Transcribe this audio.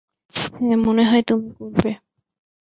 হ্যাঁ, মনে হয় তুমি করবে।